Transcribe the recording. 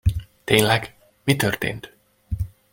Tényleg? Mi történt?